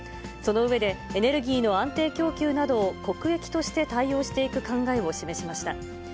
その上で、エネルギーの安定供給などを国益として対応していく考えを示しました。